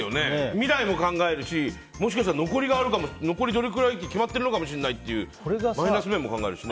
未来も考えるしもしかしたら残りどれくらいって決まってるのかもしれないっていうマイナス面も考えるしね。